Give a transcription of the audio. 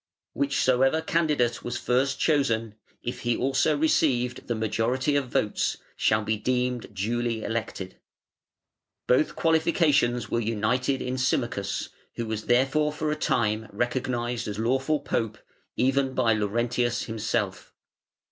"Whichsoever candidate was first chosen, if he also received the majority of votes, shall be deemed duly elected". Both qualifications were united in Symmachus, who was therefore for a time recognised as lawful Pope even by Laurentius himself.